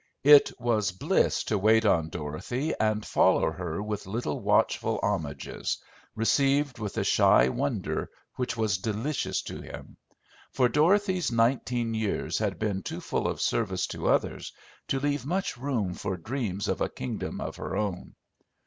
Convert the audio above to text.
It was bliss to wait on Dorothy and follow her with little watchful homages, received with a shy wonder which was delicious to him; for Dorothy's nineteen years had been too full of service to others to leave much room for dreams of a kingdom of her own.